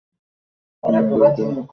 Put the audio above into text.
হে আমাদের প্রতিপালক!